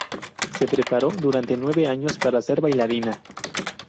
Se preparó durante nueve años para ser bailarina.